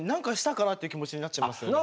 って気持ちになっちゃいますよね。